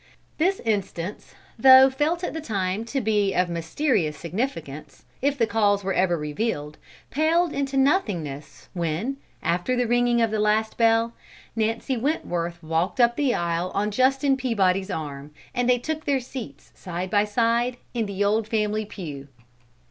This instance, though felt at the time to be of mysterious significance if the cause were ever revealed, paled into nothingness when, after the ringing of the last bell, Nancy Wentworth walked up the aisle on Justin Peabody's arm, and they took their seats side by side in the old family pew.